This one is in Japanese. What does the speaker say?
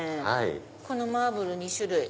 このマーブル２種類。